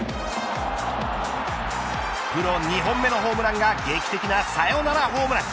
プロ２本目のホームランが劇的なサヨナラホームラン。